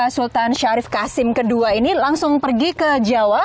sultan syarif qasim ii ini langsung pergi ke jawa